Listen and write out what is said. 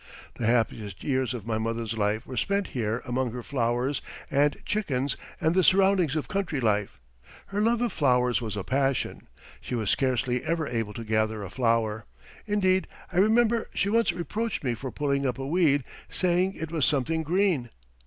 The happiest years of my mother's life were spent here among her flowers and chickens and the surroundings of country life. Her love of flowers was a passion. She was scarcely ever able to gather a flower. Indeed I remember she once reproached me for pulling up a weed, saying "it was something green."